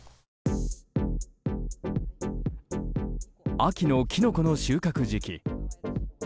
秋のキノコの収穫時期。